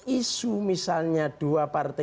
isu misalnya dua partai